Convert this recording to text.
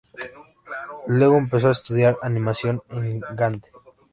Luego empezó a estudiar animación en Gante.